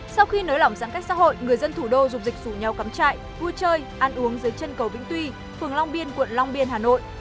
sau khi nới lỏng giãn cách xã hội người dân thủ đô dục dịch rủ nhau cắm trại vui chơi ăn uống dưới chân cầu vĩnh tuy phường long biên quận long biên hà nội